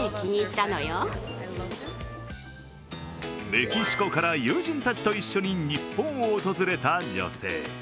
メキシコから友人たちと一緒に日本を訪れた女性。